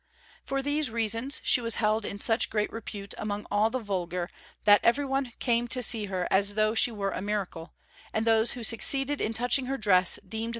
For these reasons she was held in such great repute among all the vulgar that every one came to see her as though she were a miracle, and those who succeeded in touching her dress deemed themselves fortunate indeed.